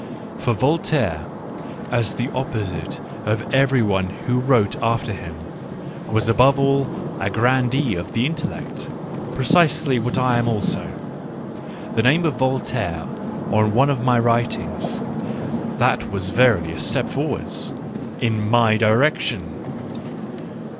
For Vol taire, as the opposite of every one who wrote after him, was above all a grandee of the intellect : pre cisely what I am also. The name of Voltaire on one of my writings — that was verily a step forward — in my direction.